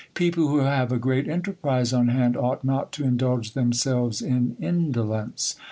People who have a great enterprise on land ought not to indulge themselves in indolence.